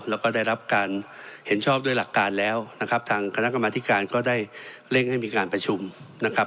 แล้วก็ได้รับการเห็นชอบด้วยหลักการแล้วนะครับทางคณะกรรมธิการก็ได้เร่งให้มีการประชุมนะครับ